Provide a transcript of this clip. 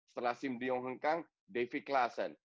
setelah sim de jong hengkang david klaassen